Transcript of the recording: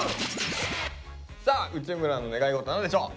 さあ内村の願いごと何でしょう？